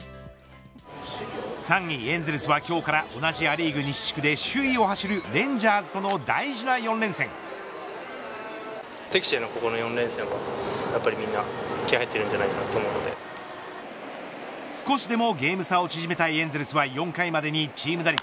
３位エンゼルスは今日からア・リーグ西地区首位を走る少しでもゲーム差を縮めたいエンゼルスは４回までにチーム打率